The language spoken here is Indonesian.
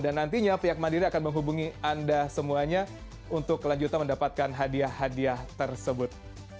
dan nantinya pihak mandiri akan menghubungi anda semuanya untuk lanjutkan mendapatkan hadiah hadiah tersebut